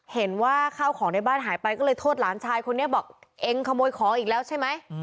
เห็นว่าข้าวของในบ้านหายไปก็เลยโทษหลานชายคนนี้บอกเองขโมยของอีกแล้วใช่ไหม